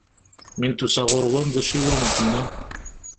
Mi n-tusa ɣur-wen, d acu i awen-tenna?